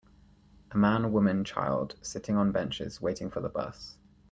A man, woman, child sitting on benches waiting for the bus.